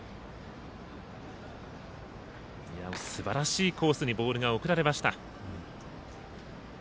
すばらしいコースにボールが送られました。